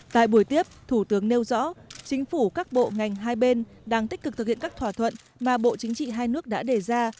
tại buổi tiếp thủ tướng nêu rõ chính phủ các bộ ngành hai bên đang tích cực thực hiện các thỏa thuận mà bộ chính trị hai nước đã đề ra